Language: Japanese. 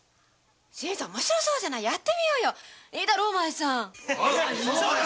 新さん面白そうじゃないやってみようよいいだろうお前さん。